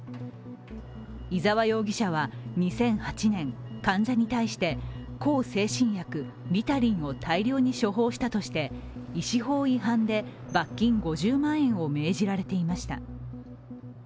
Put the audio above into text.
伊沢容疑者は２００８年、患者に対して向精神薬リタリンを大量に処方したとして医師法違反で罰金５０万円を命じられていました。